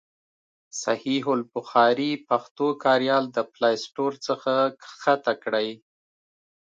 صحیح البخاري پښتو کاریال د پلای سټور څخه کښته کړئ.